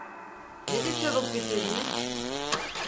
Ne de çabuk bitirdiniz?